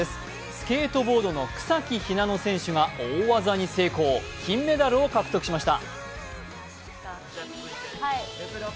スケートボードの草木ひなの選手が大技に成功、金メダルを獲得しました。